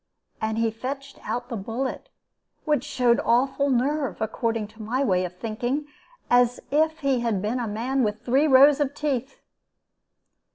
And he fetched out the bullet which showed awful nerve, according to my way of thinking as if he had been a man with three rows of teeth.